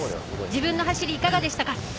自分の走り、いかがでしたか。